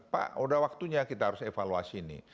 pak udah waktunya kita harus evaluasi ini